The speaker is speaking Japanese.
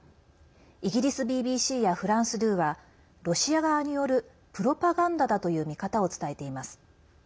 イギリスＢＢＣやフランス２はロシア側によるプロパガンダだという見方を伝えています。